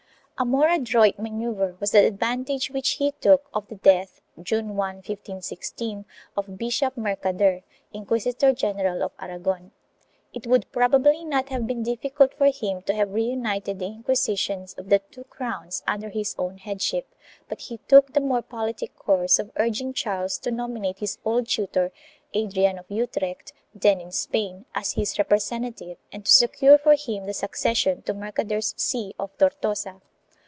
3 A more adroit manoeuvre was the advantage which he took of the death, June 1, 1516, of Bishop Mercader, Inquisitor general of Aragon. It would probably not have been difficult for him to have re united the Inquisitions of the two crowns under his own headship, but he took the more politic course of urging Charles to nominate his old tutor, Adrian of Utrecht, then in Spain, as his repre sentative, and to secure for him the succession to Mercader's see of Tortosa.